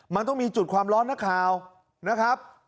มันต้องมีจุดความร้อนนะครับ